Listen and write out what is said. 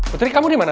putri kamu dimana